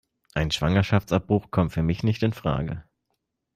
Ein Schwangerschaftsabbruch kommt für mich nicht infrage.